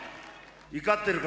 怒ってるか？